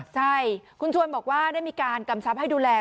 ใช่คุณชวนบอกว่าได้มีการกำชับให้ดูแล